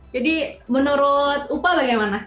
jadi menurut upa bagaimana